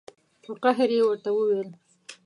په قهر یې ورته وویل.